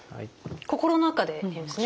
心の中で言うんですね。